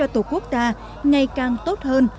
tổ quốc ta ngày càng tốt hơn